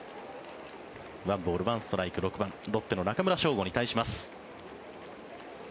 １ボール１ストライク６番、ロッテの中村奨吾に対します。